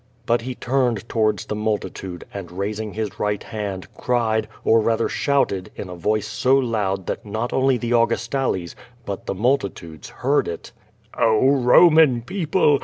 But he turned towards the multitude, and, raising his right hand, cried, or rather shouted, in a voice so loud that not only the Augustales, but the multitudes, heard it: "Oh, Roman people!